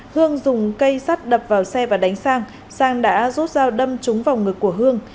hương dùng cây sắt đập vào xe và đánh sang sang đã rút dao đâm trúng vào ngực của hương